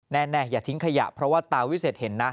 อย่าทิ้งขยะเพราะว่าตาวิเศษเห็นนะ